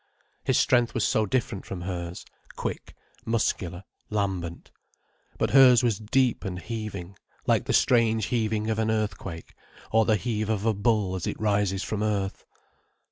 His strength was so different from hers—quick, muscular, lambent. But hers was deep and heaving, like the strange heaving of an earthquake, or the heave of a bull as it rises from earth.